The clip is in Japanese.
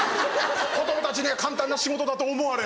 子供たちには簡単な仕事だと思われ。